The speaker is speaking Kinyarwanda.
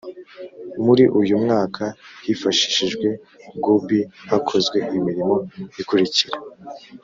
Muri uyu mwaka hifashishijwe goobi hakozwe imirimo ikurikira